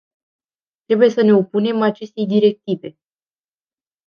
Trebuie să ne opunem acestei directive.